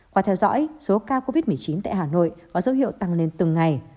qua theo dõi số ca covid một mươi chín tại hà nội có dấu hiệu tăng lên từng ngày